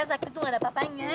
sakti tuh gak ada apa apanya